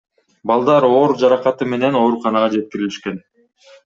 Балдар оор жаракаты менен ооруканага жеткирилишкен.